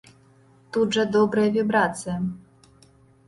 Тут жа добрая вібрацыя!